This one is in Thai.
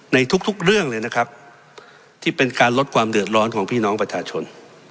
ในทุกทุกเรื่องเลยนะครับที่เป็นการลดความเดือดร้อนของพี่น้องประชาชน